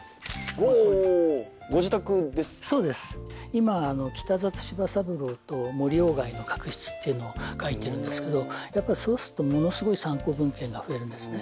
今北里柴三郎と森鴎外の確執っていうのを書いてるんですけどやっぱそうするとものすごい参考文献が増えるんですね。